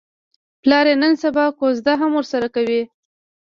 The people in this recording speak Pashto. پلار یې نن سبا کوزده هم ورسره کوي.